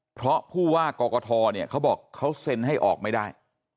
เพราะผู้ว่ากกทเนี่ยเขาบอกเขาเซ็นให้ออกไม่ได้